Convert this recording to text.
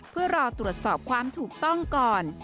เพื่อรอตรวจสอบความถูกต้องก่อน